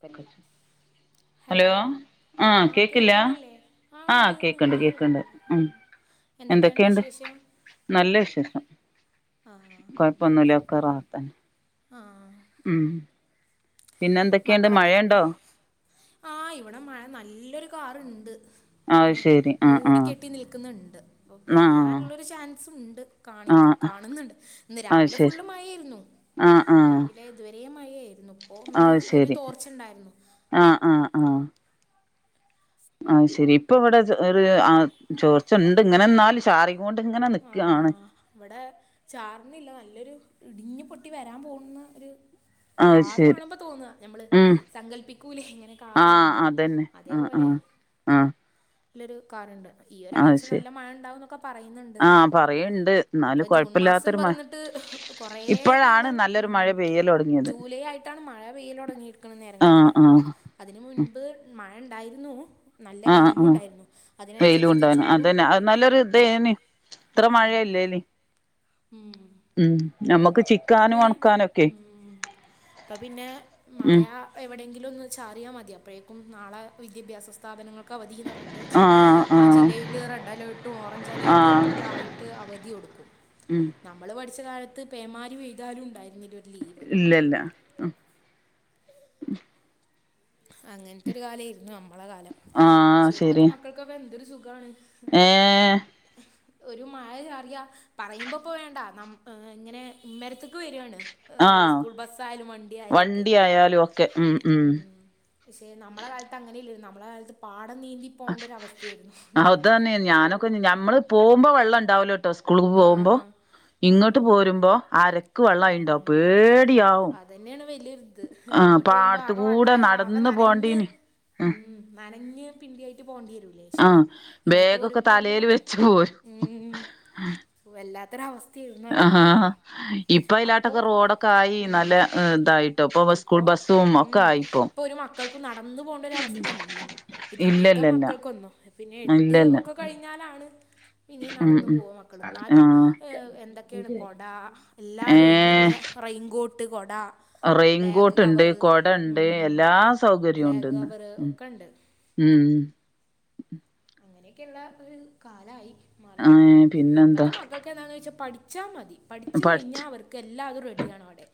പെങ്കൊച്ച് hello ആഹ് കേൾക്കുന്നില്ലേ? ആഹ് ഉണ്ട്. കേക്ക്ണ്ട് നിങ്ങൾക്ക് കേക്ക്ണ്ട് കേൾക്കുന്നില്ലേ? ഉം ആഹ് എന്തൊക്കെയാണ് എന്തൊക്കെയുണ്ട് വിശേഷം? നല്ല വിശേഷം ആഹ് ഇപ്പൊന്നുല്ലാ ഒക്കെ റാഹത്തന്നെ ആഹ് ആഹ് ഉം പിന്നെ എന്തൊക്കെയുണ്ട് മക്കളൊക്കെ മഴയുണ്ടോ ആഹ് ഇവടെ മഴ നല്ലൊരു കാറ്ണ്ട് അത് ഇങ്ങനെ ശരി ആഹ് മൂടി ആഹ് കെട്ടി നിൽക്കുന്നുണ്ട് അപ്പൊ ആഹ് പെയ്യാനുള്ളരു ചാൻസ്‌ണ്ട് കാണിക് ആഹ് കാണുന്നുണ്ട് ഇന്ന് അത് രാവിലെ ശരി ഫുള്ള് മഴയേര്ന്നു ആഹ് ആഹ് രാവിലെ ഇതുവരേം മഴയായിരുന്നു ഇപ്പൊ ഒന്ന് അത് ഒരു ശരി തോർച്ചണ്ടായിരുന്നു ആഹ് ആഹ് ആഹ് ആഹ് അത് ശരി ഇപ്പ ഇവടെ ചൊ ഒര് ആഹ് ചോർച്ചണ്ട് ഇങ്ങനെ ഇന്നാലും ചാറി ക്കോണ്ട്ങ്ങനെ നിക്കാണ് ഇവടെ ചാറ്ണില്ല. നല്ലൊരു ഇടിഞ്ഞു പൊട്ടി വരാൻ പോകുന്ന ഒര് അത് കാറ് ശരി കാണുമ്പോ തോന്നാ നമ്മള് ഉം സങ്കല്പിക്കൂലേ ഇങ്ങനെ കാറ് ആഹ് കാണുമ്പോ അതന്നെ ആഹ് അതേപോലെ ആഹ് ആഹ് ല്ലൊരു കാറ് ണ്ട് ഈ അത് ഒരാഴ്ച ശരി നല്ല മഴ ഉണ്ടാവുംന്നൊക്കെ പറയുന്നുണ്ട് ആഹ് പറയ്ണ്ട് എന്നാലും ഇപ്പം ജൂൺ മാസം കൊഴപ്പല്ലാത്തൊരു മ പിറന്നിട്ട് കൊറേ ഇപ്പഴാണ് കാലം നല്ലൊരു ഉം മഴ പെയ്യല് തൊടങ്ങിയത് ജൂലൈ ആയിട്ടാണ് മഴ പെയ്യൽ തുടങ്ങിരിക്കുന്നത് ആഹ് നേരംഗത്തില് ആഹ് അതിനു മുൻപ് മഴ ഉണ്ടായിരുന്നു നല്ല ആഹ് വെയിലും ആഹ് ഉണ്ടായിരുന്നു വെയിലും അതിനനുസരിച്ചിട്ട് ഉണ്ടാനും ചൂടും അതന്നെ അത് തരും നല്ലൊരു ഉം ഇതേനി ഇത്ര മഴ ഇല്ലേനി ഉം നമ്മക്ക് അപ്പൊ ചിക്കാനും ഒണക്കാനു ഒക്കെ ഇപ്പ പിന്നെ മഴ എവിടെയങ്കിലും ഒന്ന് ചാറിയാ മതി അപ്പഴേക്കും നാളെ വിദ്യാഭ്യാസ സ്ഥാപനങ്ങൾ ക്കവധിന്ന് പർഞ്ഞിട്ട് ആഹ് ആ ആഹ് ജില്ലയിൽ റെഡ് അലേർട്ടും ഓറഞ്ച് അലേർട്ടും ആഹ് ഒ ക്കായിട്ട് അവധി കൊടുക്കും ഉം നമ്മള് പഠിച്ച കാലത്ത് പേമാരി പെഴ്താലും ഉണ്ടായിരുന്നില്ലൊ ഇല്ല ഇല്ല അങ്ങൻത്തെ ഒരു കാലേരുന്നു നമ്മളെ കാലം. ആഹ് ക്ഷേ ഇപ്പത്തെ ശെരിയാ മക്കൾക്കൊക്കെന്തൊരു സുഖാണ് ഉം ഏഹ് ഒരു മഴ ചാറിയാ പറയുമ്പോ പ്പോ വേണ്ട നമ് ഇങ്ങനെ ഇമ്മരത്ത്ക്ക് വരാണ് ഏഹ് ആഹ് സ്കൂൾ ബസ്സ് ആയാലും വണ്ടി ആയാലും ഒക്കെ. ഉം പക്ഷെ നമ്മടെ കാലത്ത് അങ്ങനെയില്ല നമ്മുടെ കാലത്ത് പാടം നീന്തി പോകേണ്ട ഒരു അവസ്ഥയായിരുന്നു ആഹ് അത് ഉണ്ടായിരുന്നേ തന്നെ ഓ ഞാനൊക്കെ ഞമ്മള് പോകുമ്പോ വെള്ളം ഉണ്ടാവല്ലോ കേട്ടോ സ് സ്കൂളക്ക് ആ പോകുമ്പോൾ ആ ഇങ്ങോട്ട് പോരുമ്പം അരക്ക് ആ വെള്ളമണ്ടാവും പേടിയാവും അതന്നെയാണ് വലിയൊരിത് ആഹ് അങ്ങോട്ട് പോകുമ്പോൾ പാടത്ത ആകെ കൂടെ വെള്ളമായ ആകെ നടന്ന്‌ നനഞ്ഞ് പോണ്ടീനി ഉം നനഞ്ഞ് പിണ്ടി ആയിട്ട് പോകേണ്ടി വരും ആഹ് ബേഗൊക്കെ തലൽ വെച്ച് പോരും ഓ വല്ലാത്തൊരവസ്ഥ ആഹ് ഇപ്പയിലാട്ടൊക്കെ റോഡൊക്കെ ആയി നല്ല ഏഹ് ഇതായി് ഇപ്പോ ഉം ഇപ്പൊ ഒരു മക്കൾക്കും നടന്നു പോണ്ട ഒരു അവസ്ഥല്ല ഒരുവിധം ഇല്ലല്ലല്ല മക്കൾക്കൊന്നും പിന്നെ എട്ട് ഇല്ലല്ല ഒക്കെ കഴിഞ്ഞാലാണ് പ്പഇനിയും ഉം നടന്നു ഉം പോക മക്കൾ ആ ന്നാലും ഏഹ് എന്തൊക്കെയാണ് കൊട ഏ എല്ലാതും അയിനുള്ള റെൈയിൻകോട്ട് കൊട ബാഗ് റെയിൻകോട്ട് ഉണ്ട് കവറ് കൊടണ്ട് എല്ലാ സൗകര്യവും ഉണ്ട് ബാഗ് ഇന്ന് കവറ് ഉം ഒക്കെ ഉണ്ട് ഉം അങ്ങനെയൊക്കെയുള്ള ഒരു കാലായി മാറി ആ പിന്നെന്താ ഇപ്പത്തെ മക്കൾ‌ക്ക്‌ ക്കെന്താന്ന് ചോയിച്ചാ പഠിച്ചാ മതി പഠിച്ചു പഠിച്ച് കഴിഞ്ഞാൽ അവർക്ക് എല്ലാതും റെഡിയാണവിടെ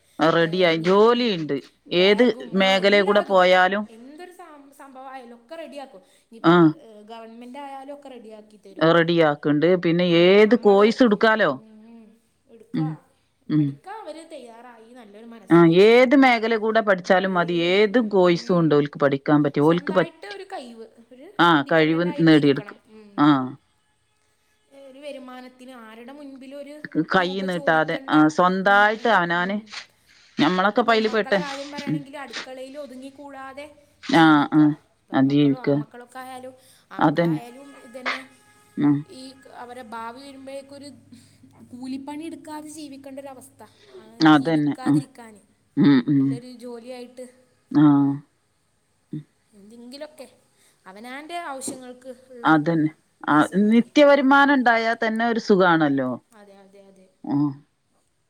ഏഹ് റെഡിയായി ഇനി ഉം ജോലിയുണ്ട് ഏത് ബാഗും ആഹ് മേഖലേ കൂടെ എല്ലാതും പോയാലും എന്തൊരു താം സംഭവായാലും ഒക്കെ റെഡിയാക്കും ആ ഇനിയിപ്പോഅത് ഏഹ് ഗവൺമെന്റ് ആയാലും ഒക്കെ റെഡിയാക്കി തരും റെഡിയാക്ക്ണ്ട് പിന്നെ ഉം ഏത് നമ്മള് കോഴ്സ് എടുക്കാലോ ഉം ഇടുക്ക ഉം ഉം പഠിക്കാൻ അവര് തയ്യാറായി നല്ലൊരു മ ആ മനസ്സും വച്ച് ഏത് നടന്ന മേഖല കൂടെ ഉം പഠിച്ചാലും മതി ഏത് കോഴ്സും ഉണ്ട് ഏഹ് ഓൽക്ക് പഠിക്കാൻ പറ്റിയ ഓൽക്ക് സ്വന്തായിട്ട് പറ്റി ഒരു കഴിവ് ഒരു ആ കഴിവ് ഇൻഡിപെൻഡൻറ് ആയിട്ട് നേടിയെടുക്ക ഇരിക്കണം ഉം ആ ഒരു വരുമാന ത്തിന് ആരുടെ മുൻപിലൊരു കൈ രൂപ നീട്ടാതെ ചോദിക്കേണ്ട ആ ഉം സ്വന്തായിട്ട് ഒരു അവനാന് ഉം ത് ഞമ്മളൊക്കെ പ്പയില് പെട്ട് പ്പമ്മക്കളെ കാര്യം ഉം പറയാണെങ്കില് അടുക്കളയില് ഒതുങ്ങിക്കൂടാതെ ആ ആ ജീവിക്കാ ആ പെൺമക്കളും ജീവിക്ക ആൺ മക്കളൊക്കെ ആയാലും ആ അതന്നെ മക്കളായാലും ഇതുന്നെ ഉം ഈ അവരെ ഭാവി വരുമ്പോഴേക്കൊരു കൂലിപ്പണി എടുക്കാതെ ജീവിക്കേണ്ടൊരവസ്ഥ അതന്നെ ഉം ജീവിക്കാതിരിക്കാന് ഉം ഉം നല്ലൊരു ജോലിയായിട്ട് ആഹ് എന്തെങ്കിലൊക്കെ അവനാന്റെ ആവശ്യങ്ങൾക്ക് ഉള്ള അതന്നെ ആഹ് പൈസ മതി നിത്യ വരുമാനം ഇണ്ടായാൽ തന്നെ ഒരു സുഖാണല്ലോ അതെ അതെ അതെ ആഹ്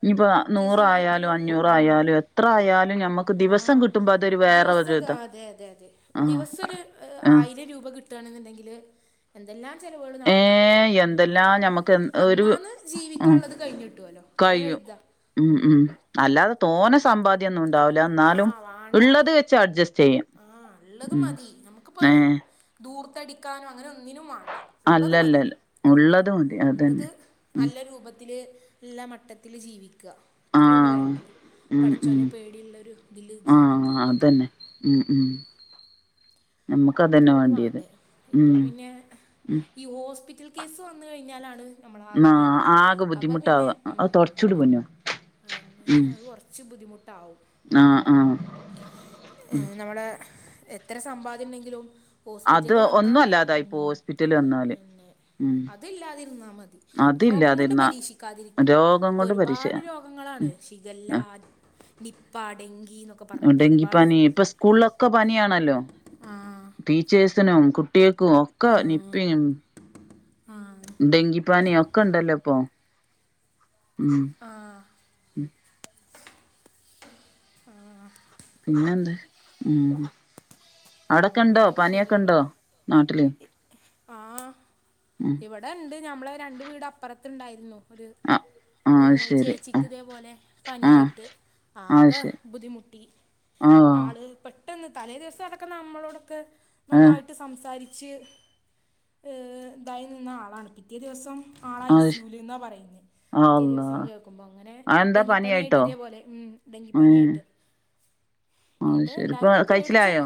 ഇനിയിപ്പോ നിത്യ നൂറായാലും അഞ്ഞൂറായാലും എത്ര ആയാലും ഞമ്മക്ക് ദിവസം ആഹ് കിട്ടുമ്പോ അതൊരു വേറെ ഒരു ദിവസംത് ഇതാ ആഹ് അതെ അതെ അതെ ആഹ് ദിവസം ഒരു ഏഹ് ആഹ് ആയിരം രൂപ കിട്ട് ട്ടാണെന്ന്ണ്ടെങ്കില് എന്തെല്ലാം ചെലവുകൾ നടത്താ ഏഹ് എന്തെല്ലാം ഞമ്മക്ക് ഒരു അന്നാന്ന് ഉം ജീവിക്കാള്ളത് കഴിഞ്ഞിട്ടോല്ലോ അത്ര കഴിയും കര്താ ഉം അല്ലാതെ തോന സമ്പാദ്യംഒന്നും ഉണ്ടാവില്ല എന്നാലും ഉള്ളത് വെച്ച് അഡ്ജസ്റ്റ് ചെയ്യും. ആഹ് ഉള്ളത് ഉം മതി നമുക്കിപ്പ ഏഹ് ദൂർത്തടിക്കാനും അങ്ങനെ ഒന്നിനും വാണ്ട ഇള്ളത് മതി അല്ലല്ലല്ല ഉള്ളത് മതി അതന്നെ ഇള്ളത് ഉം നല്ല രൂപത്തില് ഇല്ല മട്ടത്തില് ജീവിക്കാ അത്രേ ഉള്ളൂ ആഹ് വേണ്ടേ ഉം ഉം പഠിച്ചോനെ പേടിയുള്ളരു ഇതില് ആഹ് ജീവിക്കാ അത്രേം അതന്നെ ഉം ഉം നമുക്ക് ഇത്രേ അതന്നെ ഉള്ളൂ വാണ്ടിയത് വേണ്ടേ ഉം ഇപ്പോൾ പിന്നെ ഉം ഈ ഹോസ്പിറ്റൽ കേസ് വന്ന് കഴിഞ്ഞാലാണ് നമ്മളാകെ ആ പെടാ ആകെ അപ്പൊ പിന്നെ ബുദ്ധിമുട്ടാവ ഉം അത് തൊടച്ചൂട് പൊന്നോ അതന്നെ ഉം അത് കുറച്ച് ബുദ്ധിമുട്ടാവും. ആഹ് ആഹ് ഏഹ് നമ്മള എത്ര സമ്പാദ്യം ഇണ്ടെങ്കിലും അത് ഹോസ്പിറ്റല് വന്നാ ഒന്നും അല്ലാതായിപ്പോ ഉം ഹോസ്പിറ്റല് വന്നാല് പിന്നെ ഉം അതില്ലാതിരുന്നാ മതി രോഗം കൊണ്ട് അതില്ലാതിരുന്ന പരീക്ഷിക്കാതിരിക്കാ രോഗം ഇപ്പൊ കൊണ്ട് പരീക്ഷ ഒരുപാട് രോഗങ്ങളാണ് ഉം ശിഖല്ലാ ആഹ് നിപ്പ ഡെങ്കി എന്നൊക്കെ പറഞ്ഞിട്ട് ഒരുപാട് ഡെങ്കിപ്പനി ഇപ്പൊ സ്കൂളിലൊക്കെ പനിയാണല്ലോ ആഹ് ടീച്ചേഴ്സിനും കുട്ട്യാക്കും ഒക്ക ആ നിപ്പേണ് ഡെങ്കിപ്പനീം ഒക്കെണ്ടല്ലോ ഇപ്പൊ ഉം ആഹ് ആഹ് പിന്നെന്ത് ഉ ആ ശരിയാണ് ഉണ്ടോ നാട്ടില് ഇ ആ ഉം ഇവിടെ ഇവിടെ ഉണ്ട് നഞമ്മള രണ്ട് വീട് അപ്പുറത്തുണ്ടായിരുന്നു ഒരു ആ ആ ഇ അത് ഏ ശരി ആ ചേച്ചിക്കതേ പോലെ ആ പനിയായിട്ട് അത് ആകെ ശരി ബുദ്ധിമുട്ടി ആ ആള് പട്ട പെട്ടെന്ന് തലേ ദിവസടക്കുനമ്മളോടൊക്കെ ഏ നന്നായിട്ട് സംസാരിച്ച് ഏ ഇതായി നിന്ന ആളാണ് പിറ്റേ ദിവസം ആളാ അത് ശ ഐസൂലന്നാ പറയുന്നെ പിറ്റേ അള്ളാ ദിവസം കേൾക്കുമ്പോ അങ്ങനെ അതെന്താ ഡെങ്കിപ്പനിയായിട്ട് പനിയായിട്ടോ ഇതേപോലെ ഉ ഏ ഡെങ്കിപ്പനിയായിട്ട് അത് ന്ന്ട്ട് ശരി ഇപ്പൊ എല്ലാരും ഒന്ന് പേടിച്ചു കഴിച്ചിലായോ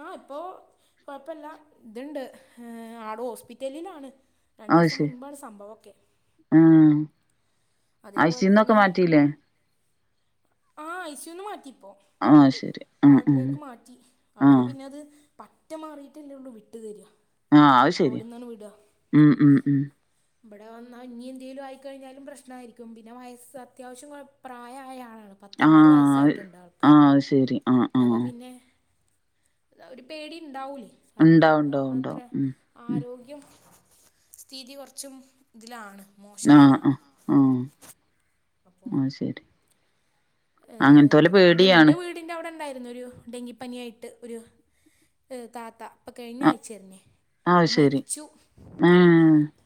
ആഹ ഇപ്പോകൊഴപ്പില്ല ഇതുണ്ട് ആട് ഹോസ്പിറ്റലിലാണ് അത് രണ്ടീസം ശരി മുൻപാണ് സംഭവൊക്കെ ആ അതേപോലെ ഐസിന്നൊക്കെ തന്നെ മാറ്റിയില്ലേ ആ ഐസൂന്ന് മാറ്റിപ്പോ ആ ഇപ്പോ ശരി ആ ഉം വാർഡിലേക്ക് മാറ്റി ആ അവര് പിന്നെ അത് പറ്റ മാറീട്ടല്ലുള്ളു വിട്ടു തര ആ അത് ശരി അവിടന്നണ് വിട ഉം ഉം ഉം ഇവിടെ വന്ന ഇനിഎന്തേയിലും ആയിക്കഴിഞ്ഞാലും പ്രശ്ന യിരിക്കും പിന്നെ വയസ്സ് അത്യാവശ്യം കൊഴ പ്രായയ ആളാണ് ആഹ പത്തൊൻപത് ആഹ ആഹ് അ ശരി ആഹ ആഹ അപ്പോ പിന്നെ ഒരു പേടി ഉണ്ടാവൂലേ ഉണ്ടാവുണ്ടാവും ഉണ്ടാവും ഉ ആരോഗ്യം സ്ഥിതി കുറച്ചും ഇതിലാണ് ആ ആ മോശത്തിലാണ് ആ അപ്പോ അത് ശരി ഏ അങ്ങനത്തോലെ അങ്ങനെ പേടിയാണ് പിന്നെന്റവീട് ൻ്റെ അവിടെണ്ടായിരുന്നു ഒരു ഡെങ്കിപ്പനിയായിട്ട് ഒരു താത്ത ഇപ്പൊ കഴിഞ്ഞ അ ആഴ്ച്ച ന്നേ അത് അ ശരി മരിച്ചു ഏ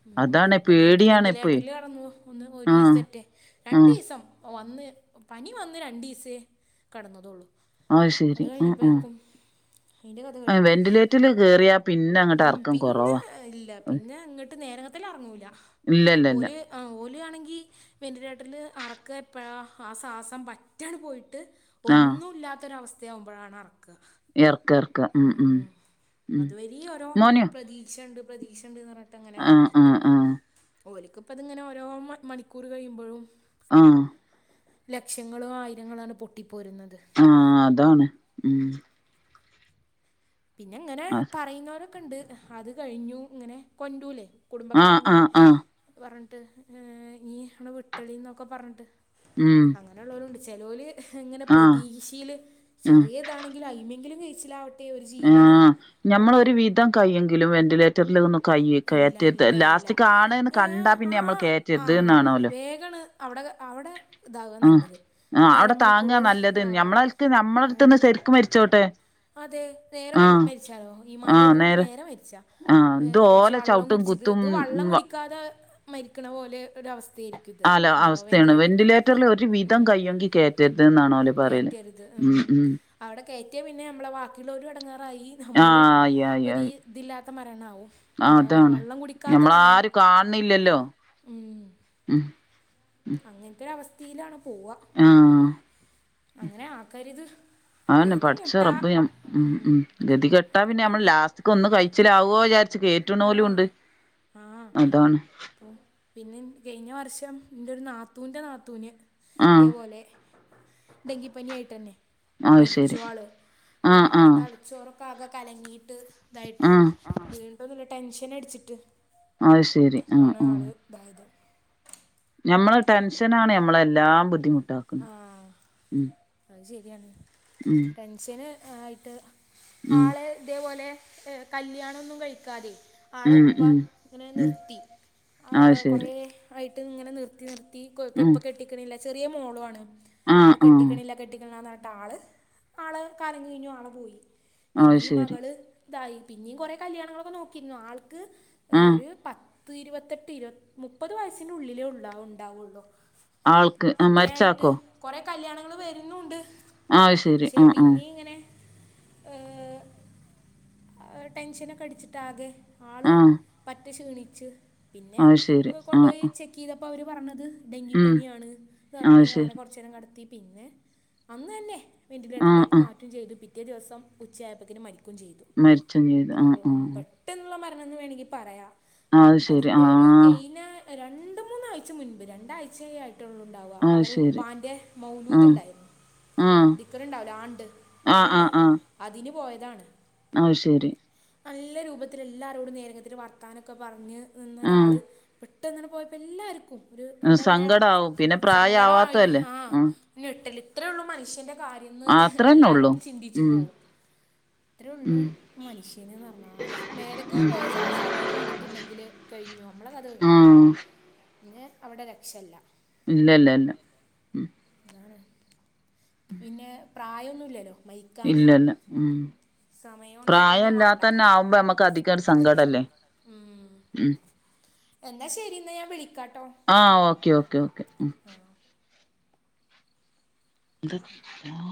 ഉ അതാണ് ടെങ്കിപ്പനായിട്ട് പേടിയാണ് ഇപ്പേ വെന്റിലേറ്ററില് കടന്നു ഒന്ന് ആഹ് ഒറീസറ്റെ ആഹ് രണ്ടീസം വന്ന് പനി വന്ന് രണ്ടീസേ കടന്നതള്ളു അത് ശരി ആ കഴിഞ്ഞപ്പോയക്കും അയിന്റെ കഥ ആ കഴിഞ്ഞു വെന്റിലേറ്ററിൽ കേറിയാ പിന്നെ അങ്ങട്ട് ഉം എറക്കം പിന്നെ കൊറവാ ഇല്ല പിന്നെ ഇങ്ങിട്ട് നേരങ്ങത്തില റങ്ങൂല ഇല്ലല്ല ഓല് ഓല ആണെങ്കിൽ വെന്റിലേറ്ററില് അറക്കപ്പഴാ ആസ് ശ്വാസം പറ്റാൻ പോയിട്ട് ആഹ് ഒന്നു ഇല്ലാത്തൊരവസ്ഥയാവുമ്പോഴാണറക്ക ഇറക്കാ ഉം അതുവരെ ഓരോ പ്രതീക്ഷണ്ട് പ്രതീക്ഷണ്ട്ന്ന് പറ ആഹ ആഹ് ആഹ ഓല്ക്ക്പ്പതിങ്ങനെ ഓരോ മണിക്കൂർ കഴിയുമ്പോഴും ആഹ ലക്ഷങ്ങളോ ആയിരങ്ങളാണ് പൊട്ടിപ്പോരുന്നത് ആഹ അതാണ് ഉ പിന്നെ ഇങ്ങനെ ആഹ് പറയുന്നവരൊക്കെണ്ട് അത് കഴിഞ്ഞു ഇങ്ങനെ കൊണ്ടരൂല്ലേ കുടുംബക്കാരിങ്ങനെ ആഹ് ആഹ് പറഞ്ഞിട്ട് ഏ ഇനി വിട്ടളി എന്നൊക്കെ പറഞ്ഞിട്ട് ഉം അങ്ങനെ ഉള്ളവരുണ്ട് ചിലോല് ഇങ്ങനെ ആഹ് പ്രതീക്ഷീല് ഉം ചെറിയതാണെങ്കിൽ അയിമെങ്കിലും കഴിച്ചിലാവട്ടെ ഒരു ആ ജീവന് പോണ്ട ഞമ്മളൊരു വീതം കയ്യെങ്കിലും വെന്റിലേറ്റ ലേറ്ററി ലൊന്നു കൈ ഇല്ല കയറ്റത് ഇല്ല ഇല്ല ലാസ്റ്റക്കാണ്ന്ന് ഏ കണ്ടാ ആ പിന്നെ നമ്മൾ ആ കയറ്റരുത് എന്നാണല്ലോ വേഗമാണ് അവിടെ അവിടെ ഇതാക ആഹ് നല്ലത് ആഹ് അവിടെ താങ്ങാ ഒരരമണിക്കൂറ് നല്ലത് ആ ഞമ്മളടുത്ത് ആ ഞമ്മളടുത്ത്ന്ന് ശരിക്കും മരിച്ചോട്ടെ അതെ നേരെ മരി ആഹ് മരിച്ചാലോ ഈമാനോട് കൂടി നേരെ മരിച്ചാ ആഹ് ഇത് ഓലെ വെള്ളം ചവിട്ടും കുടിച്ചിത് കുത്തും ഇത് വെള്ളം കുടിക്കാതെ മരിക്കണ പോലെ ഒരവസ്ഥയായിരിക്കും ഇത് അല്ല ഉണ്ടാവുക അവസ്ഥയാണ് വെന്റിലേറ്ററിൽ ഒരു വിധം കഴിയെങ്കിൽ കയറ്റരുതെന്നാണ് ഓര് പറയൽ കയറ്റരുത് മ് ഉം. മ് അവിടെ കയറ്റിയാൽ പിന്നെ നമ്മളെ ബാക്കിയുള്ളൊരും ഇടങ്ങാറായി ആഹ് നമ്മളും ആയി ആയി ഒരു ആയി തില്ലാത്ത മരണാവും ആഹ് ന്താ ഒരു അതാണ് വള്ളം കുടിക്കാത്ത മരണം ഞമ്മളാരും കാണില്ലല്ലോ ഉം ഉം അങ്ങനത്തെരുവസ്ഥയിലാണ് പോവ ആഹ അങ്ങനെ ആക്കരിത് അതന്നെ പടച്ചറബ്ബ് മ് മ് ഗതിക്കെട്ടാൽ പിന്നെ നമ്മൾ ലാസ്റ്റ് ക്കൊന്ന് കഴിച്ചിലാവോ വിചാരിച്ച് കേറ്റ്ണോലും ആഹ് ഉണ്ട് അതാണ് പിന്നേം കഴിഞ്ഞ വർഷം എന്റൊരു നാത്തൂന്റെ നാത്തൂന് ആഹ് ഇതേപോലെ ഡെങ്കിപ്പനി ആയിട്ടെന്നെ അത് മരിച്ചു ശരി ആള് ആഹ് ആളെ ആഹ് തളച്ചോറ ക്കാകെ കലങ്ങീട്ട് ഇതായിട്ടെ ആഹ് വീണ്ടൊന്നുമല്ല ടെൻഷൻ അടിച്ചിട്ട് അത് ശരി ആഹ് ആണ് ആഹ് ആള് ദായത് ഞമ്മളെ ടെൻഷനാണ് ഞമ്മളെ എല്ലാം ബുദ്ധിമുട്ടാക്കുന്നത് ആ അത് ശെരിയാണ് മ് ടെൻഷൻ ആയിട്ട് ഉം ആളെ അതെപോലെ കല്യാണമൊന്നും കഴിക്കാതെ ആളെ ഉം ഉപ്പ ഉം ഇങ്ങനെ ഉം നിർത്തി ഹ് അത് ശരി കുറേ ആയിട്ട് ഇങ്ങനെ നിർത്തി നിർ ഉം ത്തികോർകിപ്പ കെട്ടികിണിക്കില്ല ചെറിയ മോളുമാണ് ആഹ് അപ്പൊ ആഹ് കെട്ടിക്കിണില്ല കെട്ടിക്കനില്ല ആള് ആള് കാളഞ്ഞിനു ആള് പോയി അത് പിന്നെ ഈ ശരി മകള് തായി പിന്നെയും കുറേ കല്യാണങ്ങളൊക്കെ നോക്കിരുന്നു ആൾക്ക് ആഹ് ഒരു പത്ത് ത്ത് ഇരുപത്തെട്ട് ഇരു മുപ്പത് വയസ്സിന്റെ ഉള്ളിലെ ഉണ്ടാണ്ടാഒള്ളൂ ആൾക്ക് ആഹ് മരിച്ചാക്കോ കൊറെ കല്യാണങ്ങൾ വരുന്നുണ്ട് അത് ശരി ക്ഷെ ആഹ് ആഹ് പിന്നെങ്ങനെ ഏ ടെൻഷനൊക്കെ അടിച്ചിട്ടാകെ ആള് ആഹ് പറ്റ റ്റേ ക്ഷീണിച്ച് പിന്നെ അത് ശരി കൊണ്ടൊയി ആഹ് ചെ ക്കെയിതപ്പോ അവര് പറഞ്ഞത് ഉം ഡെങ്കിപ്പനിയാണ് അത് പറഞ് ശരി കുറച്ചേരം കിടത്തി പിന്നെ അന്നന്നെ ആഹ് വെന്റിലേറ്ററിലേക്ക് ആഹ് മാറ്റും ചെയ്ത് പിറ്റേ ദിവസം ഉച്ചയായപ്പത്തിനും മരിക്കുകയും ചെയ്തു മരിച്ചും ചെയ്തു ആ അത്രയുള്ളൂ പ പെട്ടെന്നുള്ള മരണം എന്ന് വേണമെങ്കിൽ പറയാം ആ അത് ശരി അതിന്റെ ആ ഒരു കഴിഞ്ഞ രണ്ട് മൂന്നാഴ്ച മുൻപ് രണ്ടാഴ്ച ആയിട്ടുള്ള ഉണ്ടാവുക അത് അവരെ ശരി ഉപ്പാന്റെ ആ മൗലൂദ് ഉണ്ടായിരുന്നു ആ ദിക്കറ് ഉണ്ടാവല്ലോ ആണ്ട് ആ അതു ആ ആ ണ്ടായിരുന്നു അതിനുപോയതാണ് അത് ശരി നല്ല രൂപത്തിൽ എല്ലാരോടും നേരത്തന്നെ വർത്താനൊക്കെ പറഞ്ഞ് ആ നിന്നൊരാള് പെ ട്ടന്ന്‌ങ്ങനെ പോയപ്പോ എല്ലാർക്കും ഒരു എന്താ പറയാ സങ്കടാവും പിന്നെ സങ്കടമായി പ്രായാവാത്തതല്ലേ ആഹ് ഞെട്ടൽ ഇത്രയുള്ളൂ മനുഷ്യന്റെ കാര്യം ന്ന് ആ അത്രന്നെ എല്ലാരും ഉള്ളൂ ഒന്ന് ചിന്തിച്ചു ഉം പോവും ഇത്രേ ഉള്ളൂ ഉം മനുഷ്യന് പറഞ്ഞാൽ ഒരു മേലക്ക ഉം പോയ ശ്വാസം അടിക്ക് ക്ക് വന്നിട്ടില്ലെങ്കിൽ കഴിഞ്ഞു അമ്മളെ കഥ ആ കഴിഞ്ഞു. ഞ് അവടെ രക്ഷല്ല ഇല്ലല്ല ല്ല അതാണ് പിന്നെ പ്രായൊന്നുല്ലലൊ ഇല്ലല്ല ഉം സമയമോ നേരമോ ഒന്നും വേണ്ട പ്രായല്ലാത്തന്നാവുമ്പ ഞമ്മക്കധികര് സങ്കടല്ലേ ഉം.. ഉം എന്നാ ശരിന്നാ ഞാൻ വിളിക്കാട്ടോ ആഹ് ഓക്കെ ഓക്കേ ഓക്കെ ഉം എന്ത